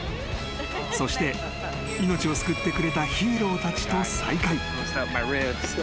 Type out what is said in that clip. ［そして命を救ってくれたヒーローたちと］